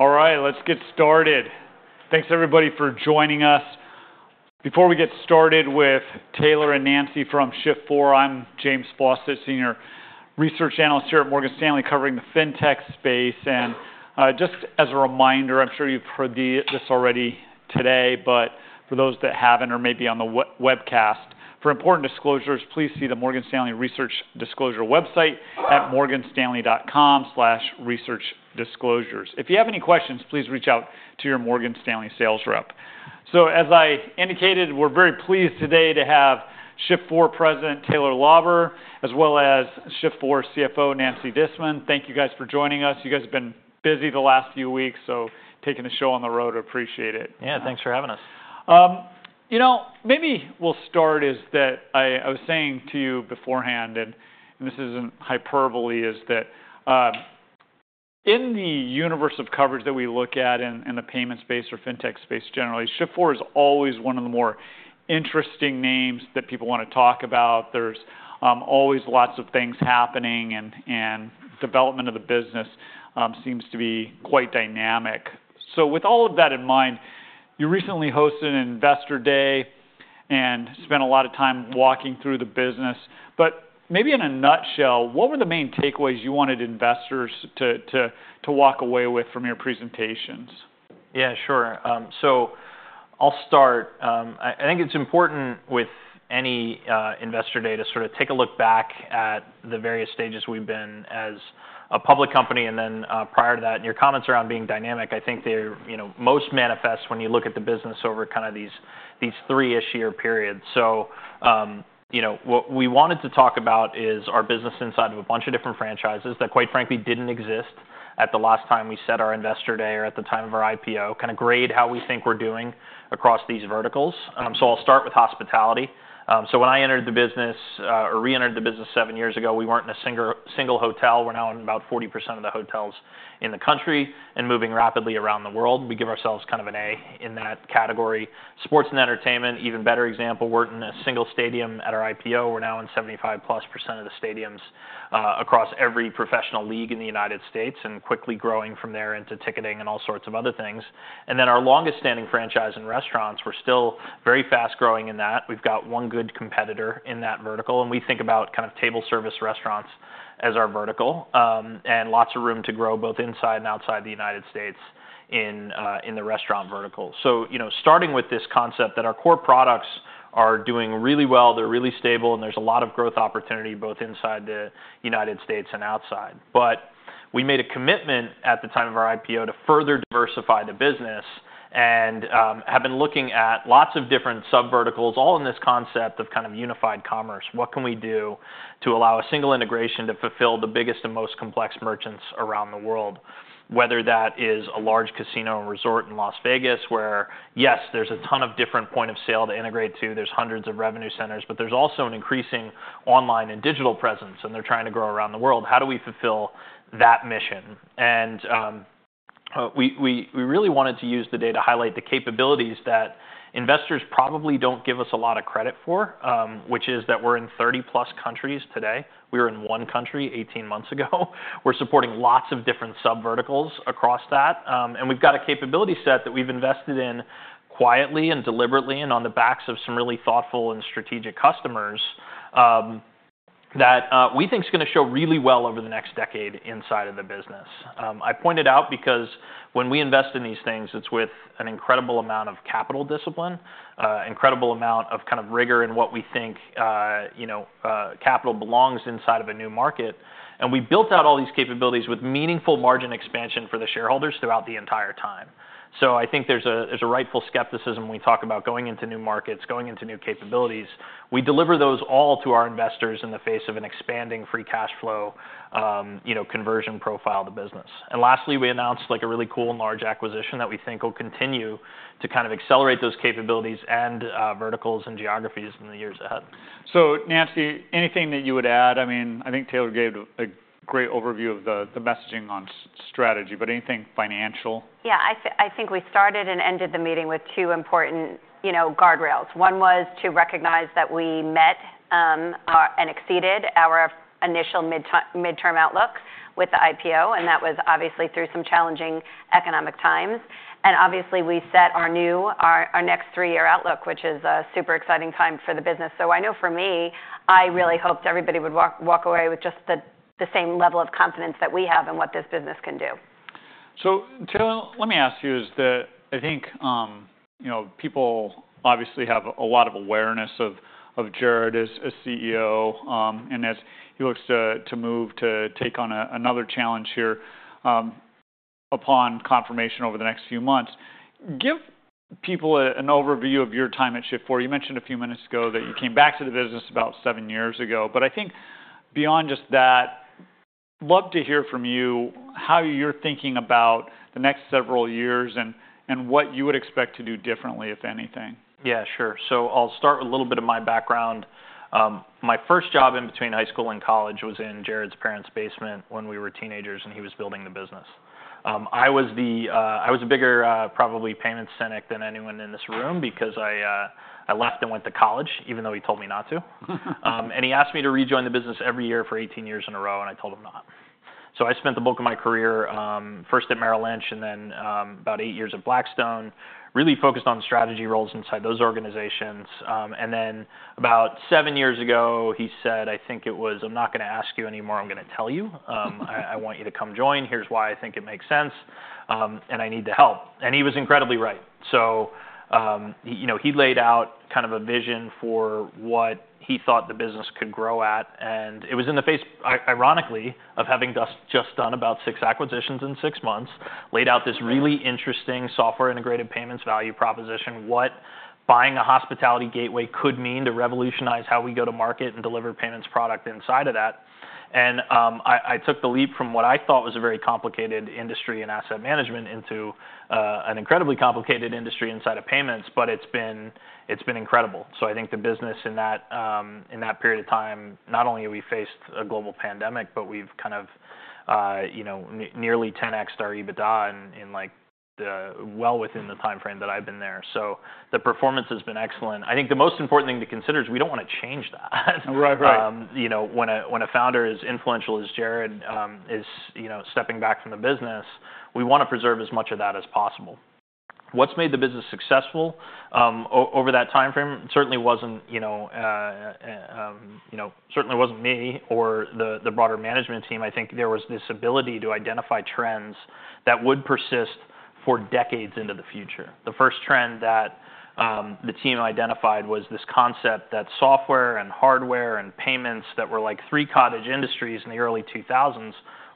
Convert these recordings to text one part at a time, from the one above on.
All right, let's get started. Thanks, everybody, for joining us. Before we get started with Taylor and Nancy from Shift4, I'm James Faucette, Senior Research Analyst here at Morgan Stanley, covering the fintech space. And just as a reminder, I'm sure you've heard this already today, but for those that haven't or may be on the webcast, for important disclosures, please see the Morgan Stanley research disclosure website at morganstanley.com/researchdisclosures. If you have any questions, please reach out to your Morgan Stanley sales rep. So, as I indicated, we're very pleased today to have Shift4 President Taylor Lauber, as well as Shift4 CFO Nancy Disman. Thank you guys for joining us. You guys have been busy the last few weeks, so taking the show on the road, appreciate it. Yeah, thanks for having us. You know, maybe we'll start with what I was saying to you beforehand, and this isn't hyperbole, is that in the universe of coverage that we look at in the payment space or fintech space generally, Shift4 is always one of the more interesting names that people want to talk about. There's always lots of things happening, and development of the business seems to be quite dynamic. So, with all of that in mind, you recently hosted an Investor Day and spent a lot of time walking through the business. But maybe in a nutshell, what were the main takeaways you wanted investors to walk away with from your presentations? Yeah, sure. So, I'll start. I think it's important with any Investor Day to sort of take a look back at the various stages we've been as a public company. And then prior to that, your comments around being dynamic, I think they most manifest when you look at the business over kind of these three-ish year periods. So, what we wanted to talk about is our business inside of a bunch of different franchises that, quite frankly, didn't exist at the last time we set our Investor Day or at the time of our IPO, kind of grade how we think we're doing across these verticals. So, I'll start with hospitality. So, when I entered the business or re-entered the business seven years ago, we weren't in a single hotel. We're now in about 40% of the hotels in the country and moving rapidly around the world. We give ourselves kind of an A in that category. Sports and entertainment, even better example, weren't in a single stadium at our IPO. We're now in 75%+ of the stadiums across every professional league in the United States and quickly growing from there into ticketing and all sorts of other things. And then our longest-standing franchise in restaurants, we're still very fast-growing in that. We've got one good competitor in that vertical, and we think about kind of table service restaurants as our vertical and lots of room to grow both inside and outside the United States in the restaurant vertical. So, starting with this concept that our core products are doing really well, they're really stable, and there's a lot of growth opportunity both inside the United States and outside. But we made a commitment at the time of our IPO to further diversify the business and have been looking at lots of different sub-verticals, all in this concept of kind of unified commerce. What can we do to allow a single integration to fulfill the biggest and most complex merchants around the world, whether that is a large casino and resort in Las Vegas, where, yes, there's a ton of different point of sale to integrate to, there's hundreds of revenue centers, but there's also an increasing online and digital presence, and they're trying to grow around the world. How do we fulfill that mission? And we really wanted to use the day to highlight the capabilities that investors probably don't give us a lot of credit for, which is that we're in 30+ countries today. We were in one country 18 months ago. We're supporting lots of different sub-verticals across that. And we've got a capability set that we've invested in quietly and deliberately and on the backs of some really thoughtful and strategic customers that we think is going to show really well over the next decade inside of the business. I point it out because when we invest in these things, it's with an incredible amount of capital discipline, an incredible amount of kind of rigor in what we think capital belongs inside of a new market. And we built out all these capabilities with meaningful margin expansion for the shareholders throughout the entire time. So, I think there's a rightful skepticism when we talk about going into new markets, going into new capabilities. We deliver those all to our investors in the face of an expanding free cash flow conversion profile of the business. Lastly, we announced a really cool and large acquisition that we think will continue to kind of accelerate those capabilities and verticals and geographies in the years ahead. So, Nancy, anything that you would add? I mean, I think Taylor gave a great overview of the messaging on strategy, but anything financial? Yeah, I think we started and ended the meeting with two important guardrails. One was to recognize that we met and exceeded our initial midterm outlook with the IPO, and that was obviously through some challenging economic times, and obviously, we set our new, our next three-year outlook, which is a super exciting time for the business, so, I know for me, I really hoped everybody would walk away with just the same level of confidence that we have in what this business can do. So, Taylor, let me ask you. I think people obviously have a lot of awareness of Jared as CEO and as he looks to move to take on another challenge here upon confirmation over the next few months. Give people an overview of your time at Shift4. You mentioned a few minutes ago that you came back to the business about seven years ago. But I think beyond just that, love to hear from you how you're thinking about the next several years and what you would expect to do differently, if anything. Yeah, sure. So, I'll start with a little bit of my background. My first job in between high school and college was in Jared's parents' basement when we were teenagers and he was building the business. I was a bigger probably payment cynic than anyone in this room because I left and went to college, even though he told me not to. And he asked me to rejoin the business every year for 18 years in a row, and I told him not. So, I spent the bulk of my career first at Merrill Lynch and then about eight years at Blackstone, really focused on strategy roles inside those organizations. And then about seven years ago, he said, I think it was, "I'm not going to ask you anymore, I'm going to tell you. I want you to come join. Here's why I think it makes sense and I need the help." And he was incredibly right. So, he laid out kind of a vision for what he thought the business could grow at. And it was in the face, ironically, of having just done about six acquisitions in six months, laid out this really interesting software-integrated payments value proposition, what buying a hospitality gateway could mean to revolutionize how we go to market and deliver payments product inside of that. And I took the leap from what I thought was a very complicated industry in asset management into an incredibly complicated industry inside of payments, but it's been incredible. So, I think the business in that period of time, not only have we faced a global pandemic, but we've kind of nearly 10x'd our EBITDA well within the timeframe that I've been there. So, the performance has been excellent. I think the most important thing to consider is we don't want to change that. Right, right. When a founder as influential as Jared is stepping back from the business, we want to preserve as much of that as possible. What's made the business successful over that timeframe? Certainly wasn't me, or the broader management team. I think there was this ability to identify trends that would persist for decades into the future. The first trend that the team identified was this concept that software and hardware and payments that were like three cottage industries in the early 2000s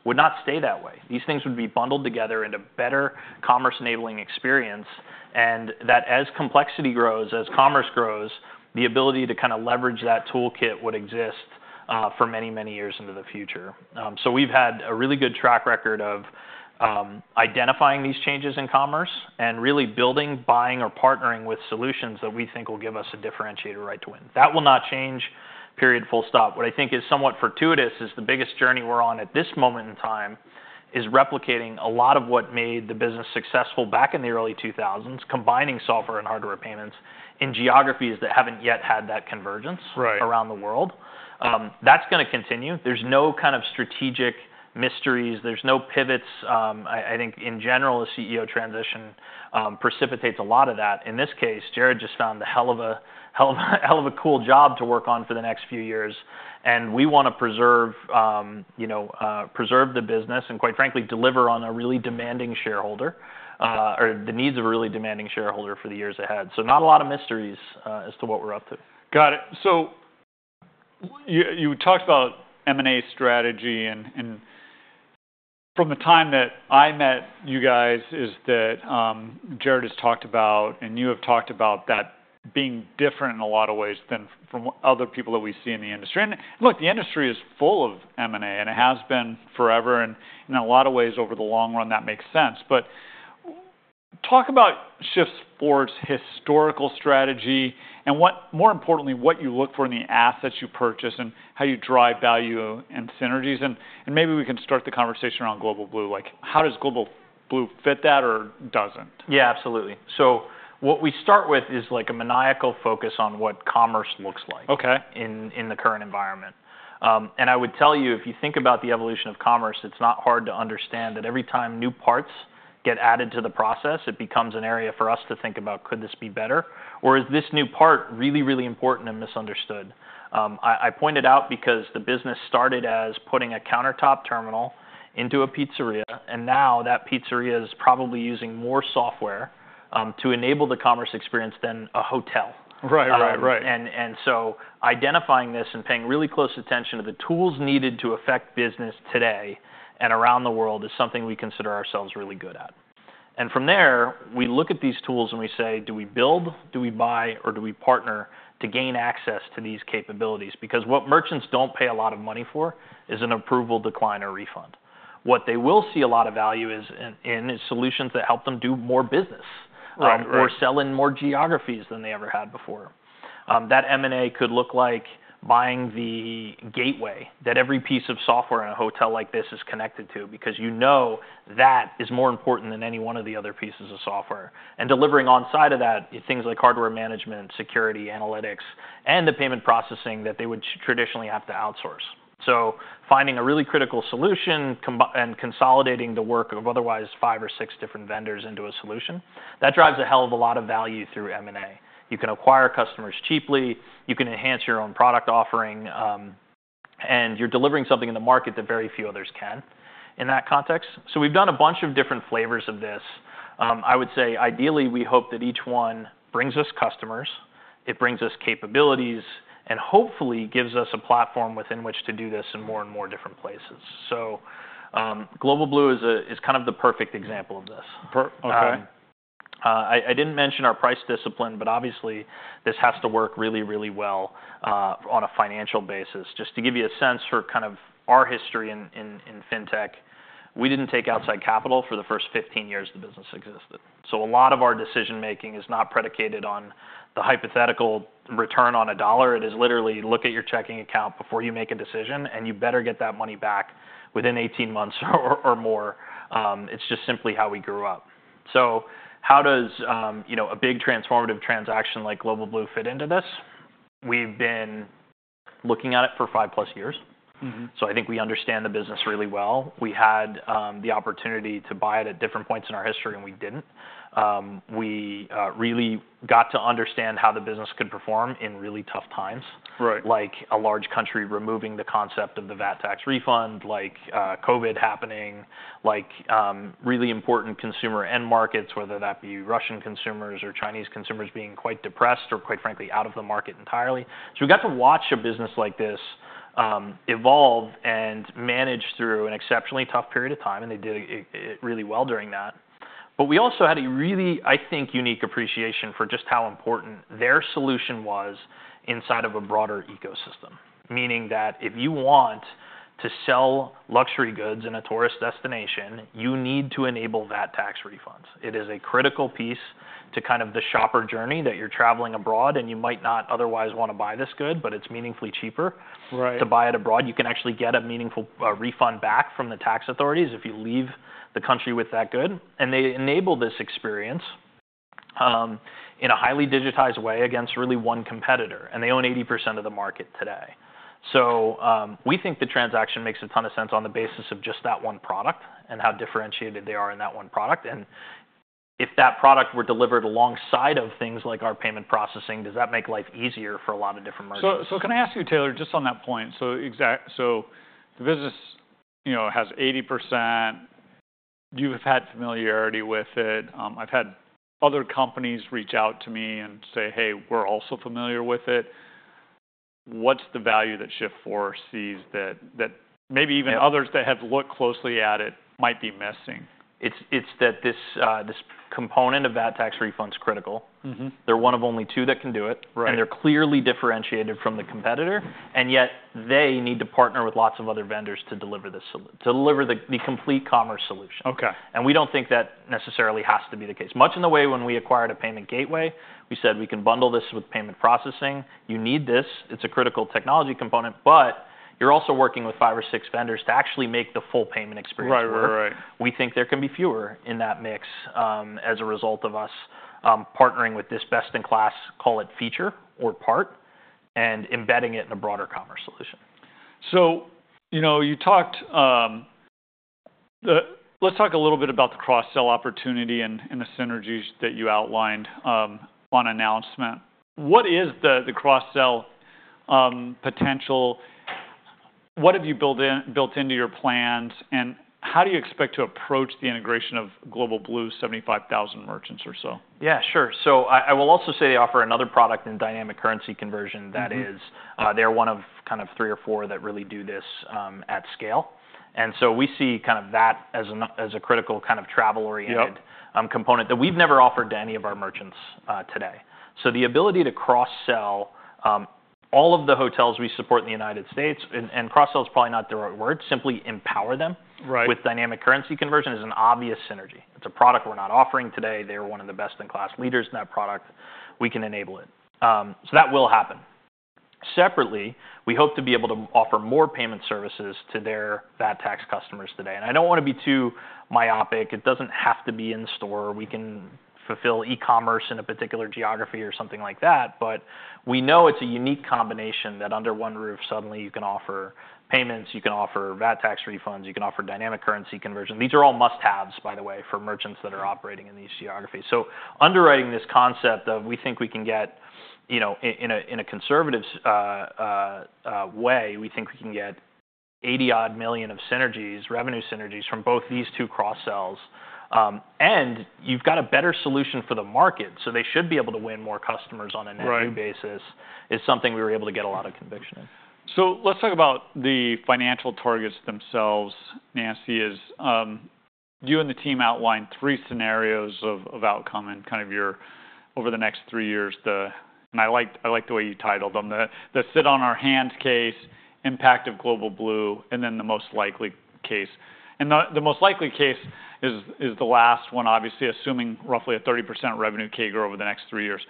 would not stay that way. These things would be bundled together into better commerce-enabling experience, and that as complexity grows, as commerce grows, the ability to kind of leverage that toolkit would exist for many, many years into the future. So, we've had a really good track record of identifying these changes in commerce and really building, buying, or partnering with solutions that we think will give us a differentiator right to win. That will not change, period, full stop. What I think is somewhat fortuitous is the biggest journey we're on at this moment in time is replicating a lot of what made the business successful back in the early 2000s, combining software and hardware payments in geographies that haven't yet had that convergence around the world. That's going to continue. There's no kind of strategic mysteries. There's no pivots. I think in general, a CEO transition precipitates a lot of that. In this case, Jared just found a hell of a cool job to work on for the next few years, and we want to preserve the business and, quite frankly, deliver on a really demanding shareholder or the needs of a really demanding shareholder for the years ahead, so not a lot of mysteries as to what we're up to. Got it. So, you talked about M&A strategy, and from the time that I met you guys is that Jared has talked about, and you have talked about that being different in a lot of ways than from other people that we see in the industry. And look, the industry is full of M&A, and it has been forever. And in a lot of ways, over the long run, that makes sense. But talk about Shift4's historical strategy and, more importantly, what you look for in the assets you purchase and how you drive value and synergies. And maybe we can start the conversation around Global Blue. Like, how does Global Blue fit that or doesn't? Yeah, absolutely. So, what we start with is like a maniacal focus on what commerce looks like. Okay. In the current environment. And I would tell you, if you think about the evolution of commerce, it's not hard to understand that every time new parts get added to the process, it becomes an area for us to think about, could this be better, or is this new part really, really important and misunderstood? I point it out because the business started as putting a countertop terminal into a pizzeria, and now that pizzeria is probably using more software to enable the commerce experience than a hotel. Right, right, right. And so, identifying this and paying really close attention to the tools needed to affect business today and around the world is something we consider ourselves really good at. And from there, we look at these tools and we say, do we build, do we buy, or do we partner to gain access to these capabilities? Because what merchants don't pay a lot of money for is an approval, decline, or refund. What they will see a lot of value in is solutions that help them do more business or sell in more geographies than they ever had before. That M&A could look like buying the gateway that every piece of software in a hotel like this is connected to because you know that is more important than any one of the other pieces of software. Delivering inside of that, things like hardware management, security, analytics, and the payment processing that they would traditionally have to outsource. So, finding a really critical solution and consolidating the work of otherwise five or six different vendors into a solution, that drives a hell of a lot of value through M&A. You can acquire customers cheaply. You can enhance your own product offering, and you're delivering something in the market that very few others can in that context. So, we've done a bunch of different flavors of this. I would say ideally, we hope that each one brings us customers, it brings us capabilities, and hopefully gives us a platform within which to do this in more and more different places. So, Global Blue is kind of the perfect example of this. Perfect. I didn't mention our price discipline, but obviously, this has to work really, really well on a financial basis. Just to give you a sense for kind of our history in fintech, we didn't take outside capital for the first 15 years the business existed. So, a lot of our decision-making is not predicated on the hypothetical return on a dollar. It is literally look at your checking account before you make a decision, and you better get that money back within 18 months or more. It's just simply how we grew up. So, how does a big transformative transaction like Global Blue fit into this? We've been looking at it for five-plus years. So, I think we understand the business really well. We had the opportunity to buy it at different points in our history, and we didn't. We really got to understand how the business could perform in really tough times, like a large country removing the concept of the VAT tax refund, like COVID happening, like really important consumer-end markets, whether that be Russian consumers or Chinese consumers being quite depressed or, quite frankly, out of the market entirely, so we got to watch a business like this evolve and manage through an exceptionally tough period of time, and they did it really well during that, but we also had a really, I think, unique appreciation for just how important their solution was inside of a broader ecosystem, meaning that if you want to sell luxury goods in a tourist destination, you need to enable VAT tax refunds. It is a critical piece to kind of the shopper journey that you're traveling abroad, and you might not otherwise want to buy this good, but it's meaningfully cheaper to buy it abroad. You can actually get a meaningful refund back from the tax authorities if you leave the country with that good, and they enable this experience in a highly digitized way against really one competitor, and they own 80% of the market today, so we think the transaction makes a ton of sense on the basis of just that one product and how differentiated they are in that one product, and if that product were delivered alongside of things like our payment processing, does that make life easier for a lot of different merchants? So, can I ask you, Taylor, just on that point? So, the business has 80%. You have had familiarity with it. I've had other companies reach out to me and say, "Hey, we're also familiar with it." What's the value that Shift4 sees that maybe even others that have looked closely at it might be missing? It's that this component of VAT tax refund is critical. They're one of only two that can do it, and they're clearly differentiated from the competitor, and yet they need to partner with lots of other vendors to deliver the complete commerce solution. We don't think that necessarily has to be the case. Much in the way when we acquired a payment gateway, we said, "We can bundle this with payment processing. You need this. It's a critical technology component, but you're also working with five or six vendors to actually make the full payment experience work." We think there can be fewer in that mix as a result of us partnering with this best-in-class, call it feature or part, and embedding it in a broader commerce solution. So, you talked. Let's talk a little bit about the cross-sell opportunity and the synergies that you outlined on announcement. What is the cross-sell potential? What have you built into your plans, and how do you expect to approach the integration of Global Blue's 75,000 merchants or so? Yeah, sure. So, I will also say they offer another product in dynamic currency conversion that is they're one of kind of three or four that really do this at scale. And so, we see kind of that as a critical kind of travel-oriented component that we've never offered to any of our merchants today. So, the ability to cross-sell all of the hotels we support in the United States, and cross-sell is probably not the right word, simply empower them with dynamic currency conversion is an obvious synergy. It's a product we're not offering today. They are one of the best-in-class leaders in that product. We can enable it. So, that will happen. Separately, we hope to be able to offer more payment services to their VAT tax customers today. And I don't want to be too myopic. It doesn't have to be in-store. We can fulfill e-commerce in a particular geography or something like that, but we know it's a unique combination that under one roof, suddenly you can offer payments, you can offer VAT tax refunds, you can offer dynamic currency conversion. These are all must-haves, by the way, for merchants that are operating in these geographies. So, underwriting this concept of we think we can get in a conservative way, we think we can get $80-odd million of synergies, revenue synergies from both these two cross-sells, and you've got a better solution for the market. So, they should be able to win more customers on a net new basis is something we were able to get a lot of conviction in. So, let's talk about the financial targets themselves, Nancy. You and the team outlined three scenarios of outcome and kind of your over the next three years, and I like the way you titled them, the sit-on-our-hands case, impact of Global Blue, and then the most likely case. And the most likely case is the last one, obviously, assuming roughly a 30% revenue CAGR over the next three years.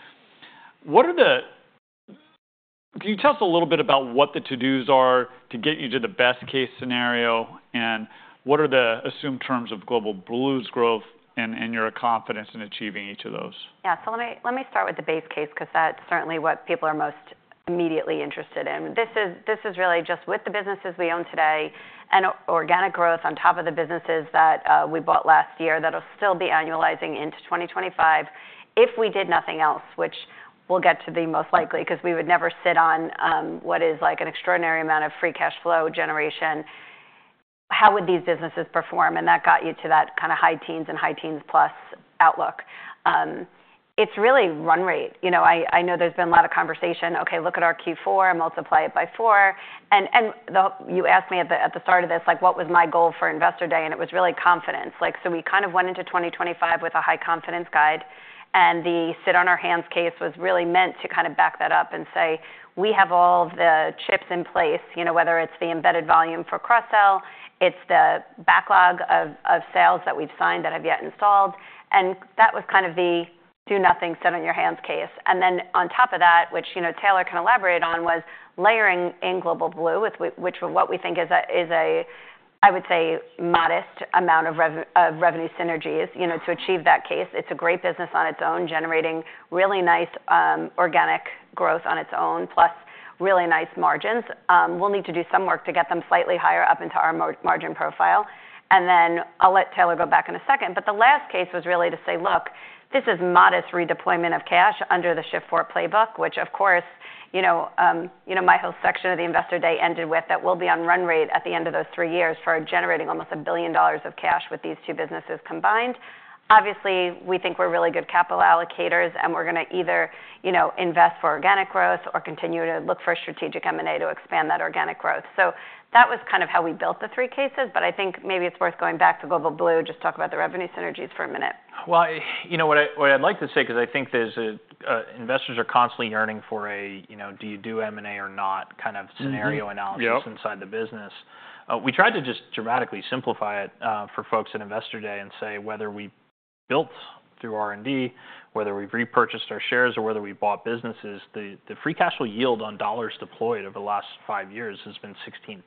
Can you tell us a little bit about what the to-dos are to get you to the best-case scenario, and what are the assumed terms of Global Blue's growth and your confidence in achieving each of those? Yeah, so let me start with the base case because that's certainly what people are most immediately interested in. This is really just with the businesses we own today and organic growth on top of the businesses that we bought last year that'll still be annualizing into 2025 if we did nothing else, which we'll get to the most likely because we would never sit on what is like an extraordinary amount of free cash flow generation. How would these businesses perform? And that got you to that kind of high teens and high teens plus outlook. It's really run rate. I know there's been a lot of conversation, okay, look at our Q4 and multiply it by four. And you asked me at the start of this, like what was my goal for Investor Day? And it was really confidence. So, we kind of went into 2025 with a high confidence guide, and the sit-on-our-hands case was really meant to kind of back that up and say, we have all the chips in place, whether it's the embedded volume for cross-sell, it's the backlog of sales that we've signed that have yet installed. And that was kind of the do nothing, sit-on-your-hands case. And then on top of that, which Taylor can elaborate on, was layering in Global Blue, which what we think is a, I would say, modest amount of revenue synergies to achieve that case. It's a great business on its own, generating really nice organic growth on its own, plus really nice margins. We'll need to do some work to get them slightly higher up into our margin profile. And then I'll let Taylor go back in a second. But the last case was really to say, look, this is modest redeployment of cash under the Shift4 playbook, which of course, my whole section of the Investor Day ended with that we'll be on run rate at the end of those three years for generating almost $1 billion of cash with these two businesses combined. Obviously, we think we're really good capital allocators, and we're going to either invest for organic growth or continue to look for a strategic M&A to expand that organic growth. So, that was kind of how we built the three cases, but I think maybe it's worth going back to Global Blue and just talk about the revenue synergies for a minute. You know what I'd like to say, because I think investors are constantly yearning for a do you do M&A or not kind of scenario analysis inside the business. We tried to just dramatically simplify it for folks at Investor Day and say whether we built through R&D, whether we've repurchased our shares, or whether we bought businesses, the free cash flow yield on dollars deployed over the last five years has been 16%.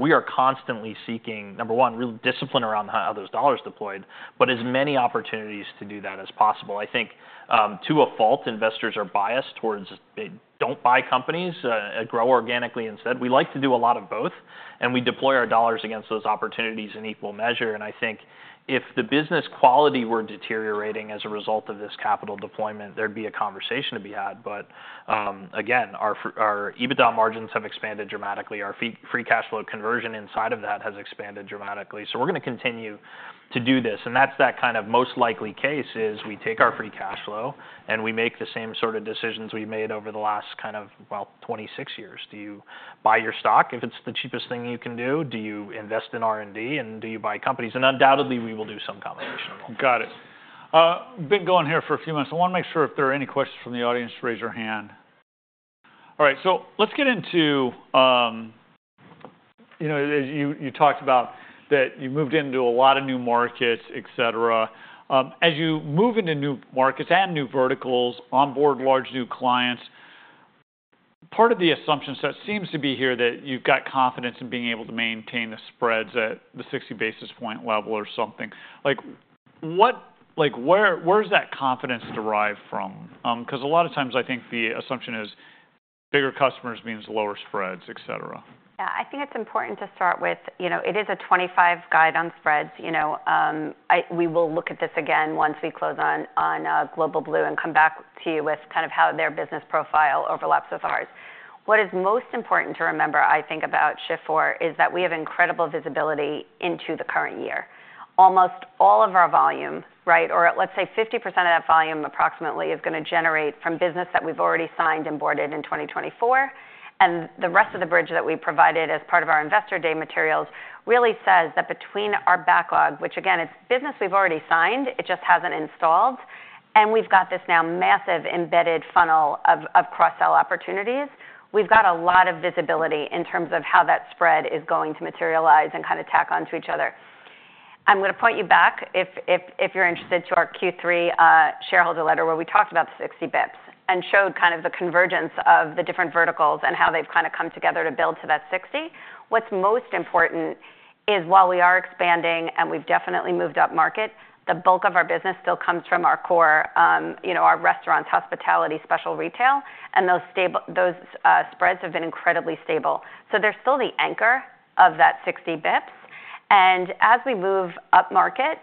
We are constantly seeking, number one, real discipline around how those dollars deployed, but as many opportunities to do that as possible. I think to a fault, investors are biased towards they don't buy companies, grow organically instead. We like to do a lot of both, and we deploy our dollars against those opportunities in equal measure. And I think if the business quality were deteriorating as a result of this capital deployment, there'd be a conversation to be had. But again, our EBITDA margins have expanded dramatically. Our free cash flow conversion inside of that has expanded dramatically. So, we're going to continue to do this. And that's that kind of most likely case is we take our free cash flow and we make the same sort of decisions we've made over the last kind of, well, 26 years. Do you buy your stock if it's the cheapest thing you can do? Do you invest in R&D and do you buy companies? And undoubtedly, we will do some combination of those. Got it. Been going here for a few minutes. I want to make sure if there are any questions from the audience, raise your hand. All right, so let's get into you talked about that you moved into a lot of new markets, etc. As you move into new markets and new verticals, onboard large new clients, part of the assumption set seems to be here that you've got confidence in being able to maintain the spreads at the 60 basis point level or something. Where does that confidence derive from? Because a lot of times I think the assumption is bigger customers means lower spreads, etc. Yeah, I think it's important to start with. It is a 2025 guide on spreads. We will look at this again once we close on Global Blue and come back to you with kind of how their business profile overlaps with ours. What is most important to remember, I think, about Shift4 is that we have incredible visibility into the current year. Almost all of our volume, right, or let's say 50% of that volume approximately is going to generate from business that we've already signed and boarded in 2024. And the rest of the bridge that we provided as part of our Investor Day materials really says that between our backlog, which again, it's business we've already signed, it just hasn't installed, and we've got this now massive embedded funnel of cross-sell opportunities, we've got a lot of visibility in terms of how that spread is going to materialize and kind of tack onto each other. I'm going to point you back if you're interested to our Q3 shareholder letter where we talked about the 60 bips and showed kind of the convergence of the different verticals and how they've kind of come together to build to that 60 basis points. What's most important is while we are expanding and we've definitely moved up market, the bulk of our business still comes from our core, our restaurants, hospitality, special retail, and those spreads have been incredibly stable. They're still the anchor of that 60 bips. As we move up market,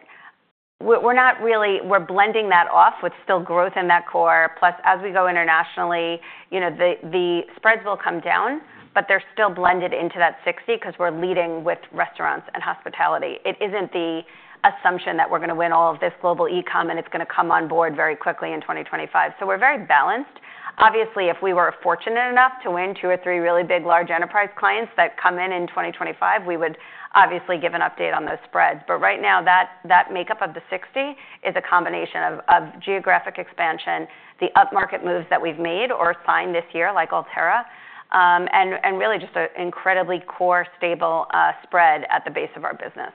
we're not really blending that off with still growth in that core. As we go internationally, the spreads will come down, but they're still blended into that 60 basis points because we're leading with restaurants and hospitality. It isn't the assumption that we're going to win all of this global e-comm and it's going to come on board very quickly in 2025. We're very balanced. Obviously, if we were fortunate enough to win two or three really big large enterprise clients that come in in 2025, we would obviously give an update on those spreads. But right now, that makeup of the 60 basis points is a combination of geographic expansion, the up market moves that we've made or signed this year like Alterra, and really just an incredibly core, stable spread at the base of our business.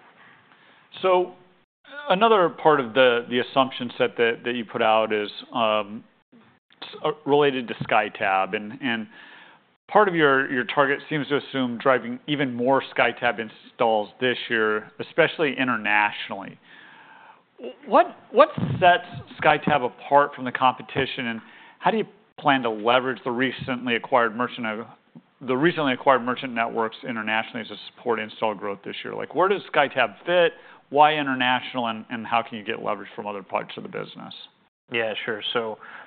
So, another part of the assumption set that you put out is related to SkyTab. And part of your target seems to assume driving even more SkyTab installs this year, especially internationally. What sets SkyTab apart from the competition, and how do you plan to leverage the recently acquired merchant networks internationally to support install growth this year? Where does SkyTab fit? Why international, and how can you get leverage from other parts of the business? Yeah, sure.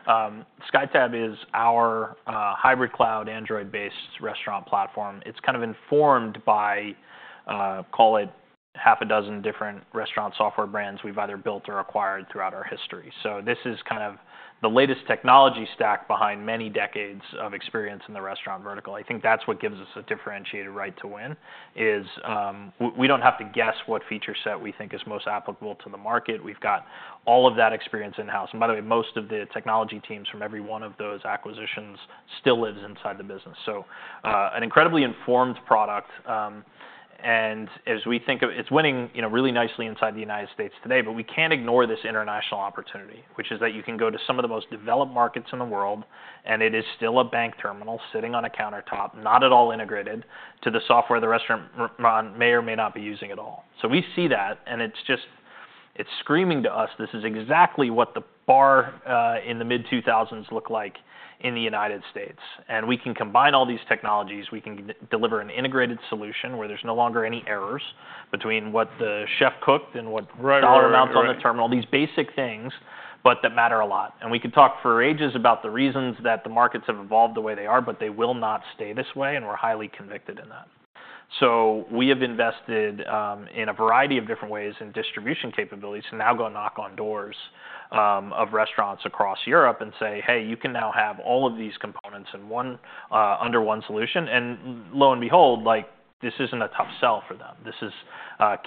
SkyTab is our hybrid cloud Android-based restaurant platform. It's kind of informed by, call it half a dozen different restaurant software brands we've either built or acquired throughout our history. This is kind of the latest technology stack behind many decades of experience in the restaurant vertical. I think that's what gives us a differentiated right to win is we don't have to guess what feature set we think is most applicable to the market. We've got all of that experience in-house. And by the way, most of the technology teams from every one of those acquisitions still lives inside the business. An incredibly informed product. And as we think of its winning really nicely inside the United States today, but we can't ignore this international opportunity, which is that you can go to some of the most developed markets in the world, and it is still a bank terminal sitting on a countertop, not at all integrated to the software the restaurant may or may not be using at all. So, we see that, and it's just screaming to us. This is exactly what the bar in the mid-2000s looked like in the United States. And we can combine all these technologies. We can deliver an integrated solution where there's no longer any errors between what the chef cooked and what dollar amounts on the terminal, these basic things, but that matter a lot. We could talk for ages about the reasons that the markets have evolved the way they are, but they will not stay this way, and we're highly convicted in that. We have invested in a variety of different ways in distribution capabilities to now go knock on doors of restaurants across Europe and say, hey, you can now have all of these components under one solution. Lo and behold, this isn't a tough sell for them. This is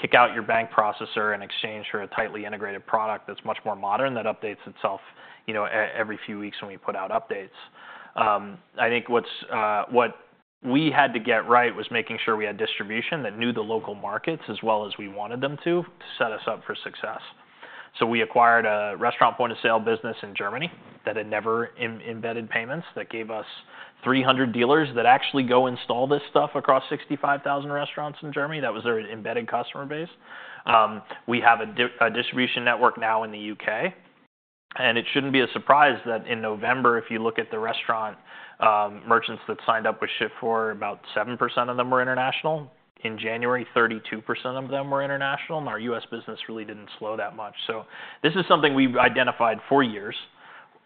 kick out your bank processor and exchange for a tightly integrated product that's much more modern that updates itself every few weeks when we put out updates. I think what we had to get right was making sure we had distribution that knew the local markets as well as we wanted them to, to set us up for success. We acquired a restaurant point-of-sale business in Germany that had never embedded payments that gave us 300 dealers that actually go install this stuff across 65,000 restaurants in Germany. That was their embedded customer base. We have a distribution network now in the U.K., and it shouldn't be a surprise that in November, if you look at the restaurant merchants that signed up with Shift4, about 7% of them were international. In January, 32% of them were international, and our U.S. business really didn't slow that much. This is something we've identified for years.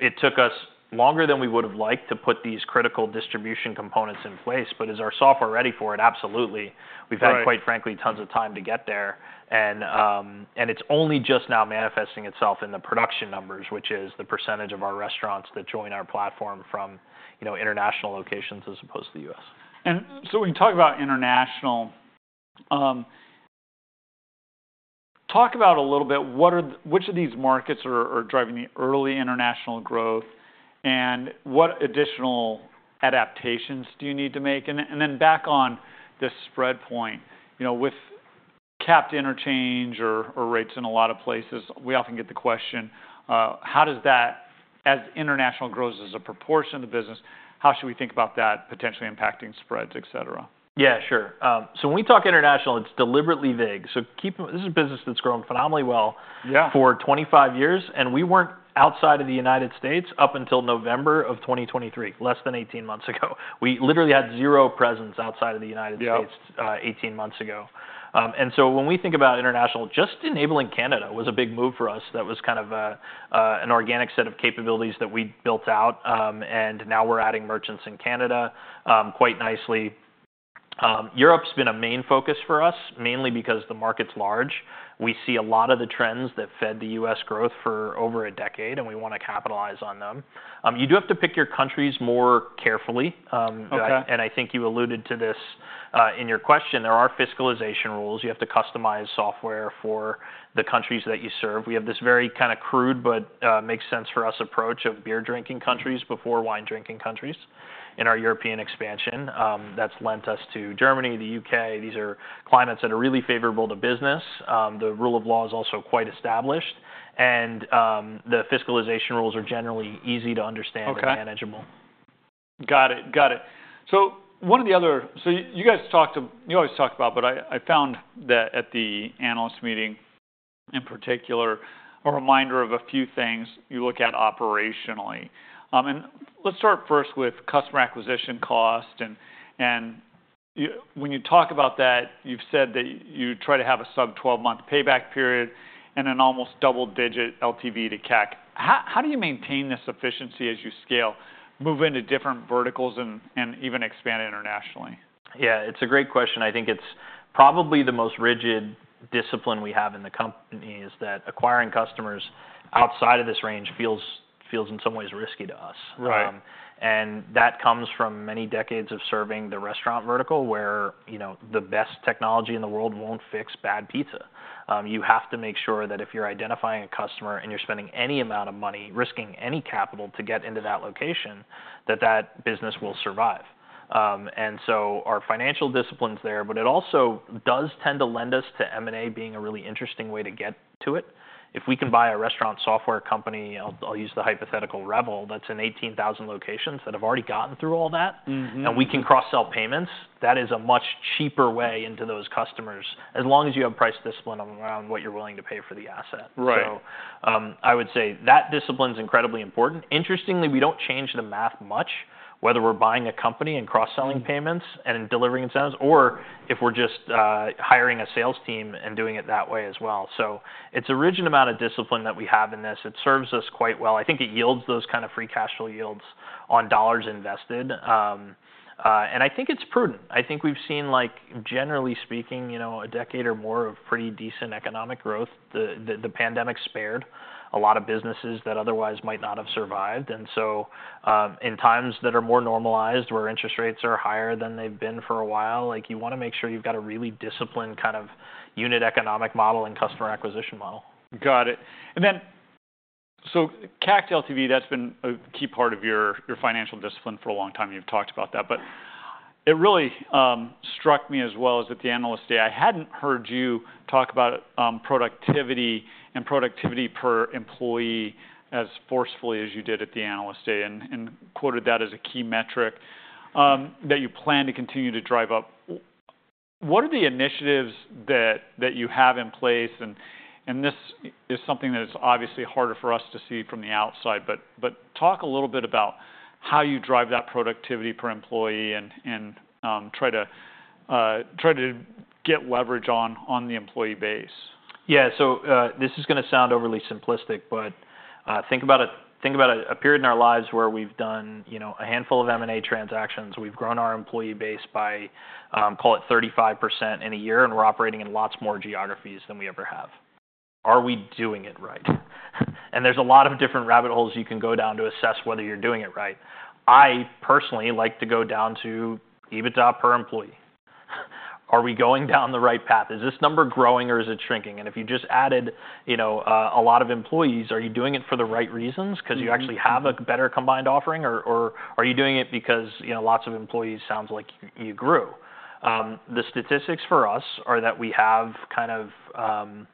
It took us longer than we would have liked to put these critical distribution components in place, but is our software ready for it? Absolutely. We've had, quite frankly, tons of time to get there. It's only just now manifesting itself in the production numbers, which is the percentage of our restaurants that join our platform from international locations as opposed to the U.S. And so, when you talk about international, talk about a little bit which of these markets are driving the early international growth and what additional adaptations do you need to make? And then back on this spread point, with capped interchange or rates in a lot of places, we often get the question, how does that, as international grows as a proportion of the business, how should we think about that potentially impacting spreads, etc.? Yeah, sure. So, when we talk international, it's deliberately vague. So, this is a business that's grown phenomenally well for 25 years, and we weren't outside of the United States up until November of 2023, less than 18 months ago. We literally had zero presence outside of the United States 18 months ago. And so, when we think about international, just enabling Canada was a big move for us that was kind of an organic set of capabilities that we built out, and now we're adding merchants in Canada quite nicely. Europe's been a main focus for us, mainly because the market's large. We see a lot of the trends that fed the U.S. growth for over a decade, and we want to capitalize on them. You do have to pick your countries more carefully, and I think you alluded to this in your question. There are fiscalization rules. You have to customize software for the countries that you serve. We have this very kind of crude, but makes sense for us approach of beer drinking countries before wine drinking countries in our European expansion. That's led us to Germany, the U.K. These are climates that are really favorable to business. The rule of law is also quite established, and the fiscalization rules are generally easy to understand and manageable. Got it. Got it. So, one of the other things you guys always talk about, but I found that at the analyst meeting in particular, a reminder of a few things you look at operationally, and let's start first with customer acquisition cost, and when you talk about that, you've said that you try to have a sub-12-month payback period and an almost double-digit LTV to CAC. How do you maintain this efficiency as you scale, move into different verticals, and even expand internationally? Yeah, it's a great question. I think it's probably the most rigid discipline we have in the company is that acquiring customers outside of this range feels in some ways risky to us. And that comes from many decades of serving the restaurant vertical where the best technology in the world won't fix bad pizza. You have to make sure that if you're identifying a customer and you're spending any amount of money, risking any capital to get into that location, that that business will survive. And so, our financial discipline's there, but it also does tend to lend us to M&A being a really interesting way to get to it. If we can buy a restaurant software company, I'll use the hypothetical Revel, that's in 18,000 locations that have already gotten through all that, and we can cross-sell payments, that is a much cheaper way into those customers as long as you have price discipline around what you're willing to pay for the asset. So, I would say that discipline's incredibly important. Interestingly, we don't change the math much, whether we're buying a company and cross-selling payments and delivering incentives, or if we're just hiring a sales team and doing it that way as well. So, it's a rigid amount of discipline that we have in this. It serves us quite well. I think it yields those kind of free cash flow yields on dollars invested, and I think it's prudent. I think we've seen, generally speaking, a decade or more of pretty decent economic growth. The pandemic spared a lot of businesses that otherwise might not have survived, and so, in times that are more normalized, where interest rates are higher than they've been for a while, you want to make sure you've got a really disciplined kind of unit economic model and customer acquisition model. Got it. And then, so CAC to LTV, that's been a key part of your financial discipline for a long time. You've talked about that. But it really struck me as well as at the Analyst Day. I hadn't heard you talk about productivity and productivity per employee as forcefully as you did at the Analyst Day and quoted that as a key metric that you plan to continue to drive up. What are the initiatives that you have in place? And this is something that is obviously harder for us to see from the outside, but talk a little bit about how you drive that productivity per employee and try to get leverage on the employee base. Yeah, so this is going to sound overly simplistic, but think about a period in our lives where we've done a handful of M&A transactions. We've grown our employee base by, call it 35% in a year, and we're operating in lots more geographies than we ever have. Are we doing it right? And there's a lot of different rabbit holes you can go down to assess whether you're doing it right. I personally like to go down to EBITDA per employee. Are we going down the right path? Is this number growing or is it shrinking? And if you just added a lot of employees, are you doing it for the right reasons because you actually have a better combined offering, or are you doing it because lots of employees sounds like you grew? The statistics for us are that we kind of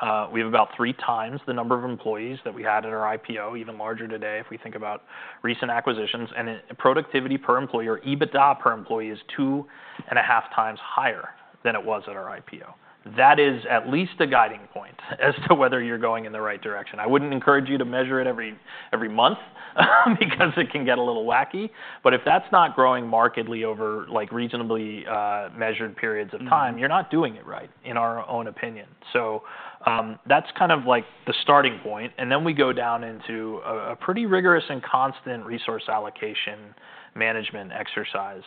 have about 3x the number of employees that we had at our IPO, even larger today if we think about recent acquisitions, and productivity per employee or EBITDA per employee is 2.5x higher than it was at our IPO. That is at least a guiding point as to whether you're going in the right direction. I wouldn't encourage you to measure it every month because it can get a little wacky, but if that's not growing markedly over reasonably measured periods of time, you're not doing it right in our own opinion, so that's kind of like the starting point, and then we go down into a pretty rigorous and constant resource allocation management exercise.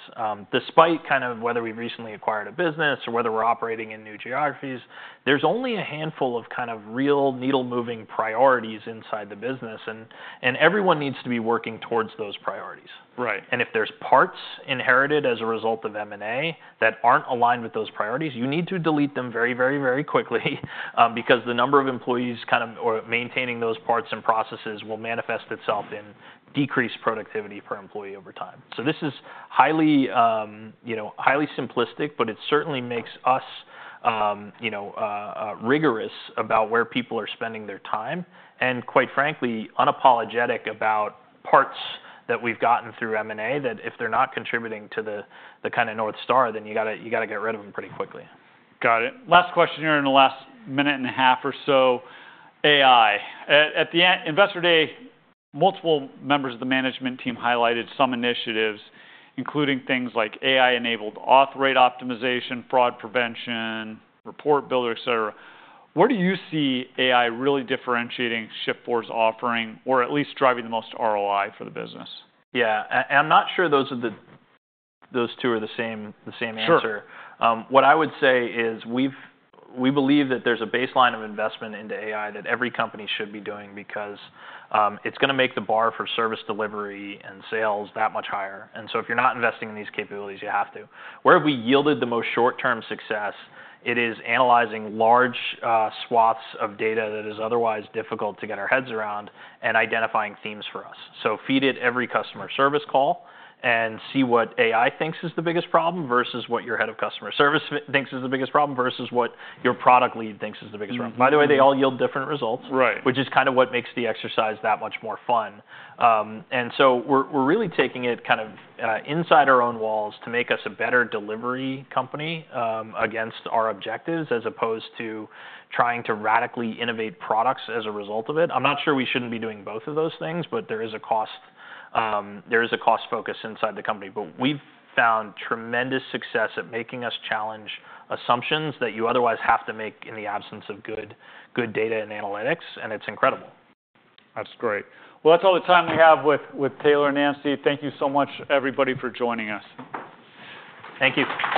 Despite kind of whether we've recently acquired a business or whether we're operating in new geographies, there's only a handful of kind of real needle-moving priorities inside the business, and everyone needs to be working towards those priorities. And if there's parts inherited as a result of M&A that aren't aligned with those priorities, you need to delete them very, very, very quickly because the number of employees kind of maintaining those parts and processes will manifest itself in decreased productivity per employee over time. So, this is highly simplistic, but it certainly makes us rigorous about where people are spending their time and, quite frankly, unapologetic about parts that we've gotten through M&A that if they're not contributing to the kind of North Star, then you got to get rid of them pretty quickly. Got it. Last question here in the last minute and a half or so, AI. At the Investor Day, multiple members of the management team highlighted some initiatives, including things like AI-enabled auth rate optimization, fraud prevention, report builder, etc. Where do you see AI really differentiating Shift4's offering or at least driving the most ROI for the business? Yeah, and I'm not sure those two are the same answer. What I would say is we believe that there's a baseline of investment into AI that every company should be doing because it's going to make the bar for service delivery and sales that much higher. And so, if you're not investing in these capabilities, you have to. Where have we yielded the most short-term success? It is analyzing large swaths of data that is otherwise difficult to get our heads around and identifying themes for us. So, feed it every customer service call and see what AI thinks is the biggest problem versus what your head of customer service thinks is the biggest problem versus what your product lead thinks is the biggest problem. By the way, they all yield different results, which is kind of what makes the exercise that much more fun. And so, we're really taking it kind of inside our own walls to make us a better delivery company against our objectives as opposed to trying to radically innovate products as a result of it. I'm not sure we shouldn't be doing both of those things, but there is a cost focus inside the company. But we've found tremendous success at making us challenge assumptions that you otherwise have to make in the absence of good data and analytics, and it's incredible. That's great. Well, that's all the time we have with Taylor and Nancy. Thank you so much, everybody, for joining us. Thank you.